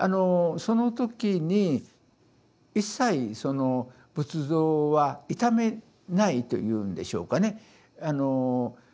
その時に一切その仏像は傷めないというんでしょうかね。